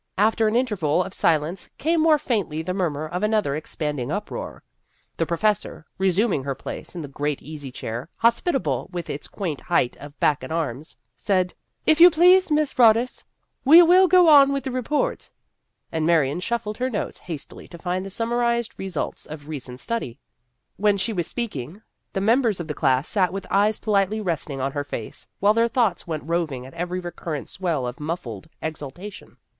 After an interval of silence, came more faintly the murmur of another expanding uproar. The pro 9 8 The Career of a Radical 99 fessor, resuming her place in the great easy chair, hospitable with its quaint height of back and arms, said, " If you please, Miss Roddis, we will go on with the report," and Marion shuffled her notes hastily to find the summarized re sults of recent study. When she was speaking, the members of the class sat with eyes politely resting on her face while their thoughts went roving at every recurrent swell of muffled exultation.